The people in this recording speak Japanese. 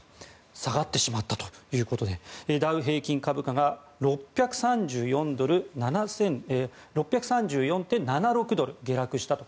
下がったということでダウ平均株価が６３４．７６ドル下落したと。